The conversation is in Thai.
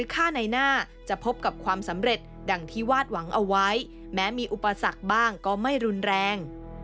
กับความสำเร็จดังที่วาดหวังเอาไว้แม้มีอุปสรรคบ้างก็ไม่รุนแรง